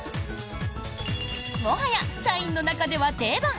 もはや社員の中では定番。